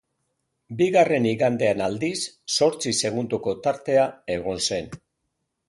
Bigarren igandean aldiz zortzi segundoko tartea egon zen.